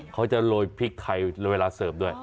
เขาจะโรยพริกไทยเวลาเสิร์ฟด้วย